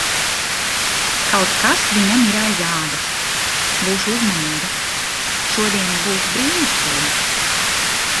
Kaut kas viņam ir aiz ādas. Būšu uzmanīga. Šodiena būs brīnišķīga!